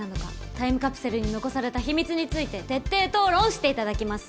タイムカプセルに残された秘密について徹底討論していただきます。